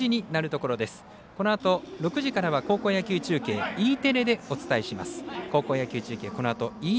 このあと、６時からは高校野球中継Ｅテレでお伝えします。